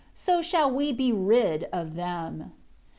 So shall we be rid of them."